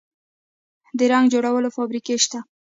د رنګ جوړولو فابریکې شته؟